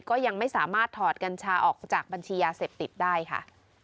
ก็ยังไม่สามารถถอดกัญชาออกจากบัญชียาเสพติดได้ค่ะ